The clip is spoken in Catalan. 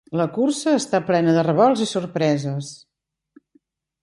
La cursa està plena de revolts i sorpreses.